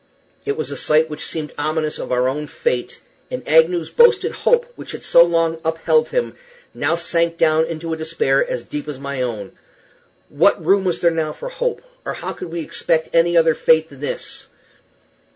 It was a sight which seemed ominous of our own fate, and Agnew's boasted hope, which had so long upheld him, now sank down into a despair as deep as my own. What room was there now for hope, or how could we expect any other fate than this?